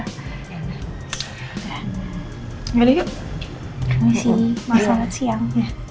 ini sih masalah siang